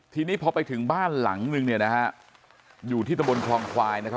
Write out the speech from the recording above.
ทีนี้พอไปถึงบ้านหลังนึงเนี่ยนะฮะอยู่ที่ตะบนคลองควายนะครับ